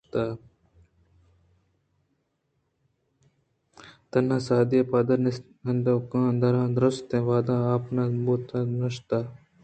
تنا سُدّی ءَ پاد نیتک داں درٛستیں واد آپ نہ بُوت ءُ نہ شُتاں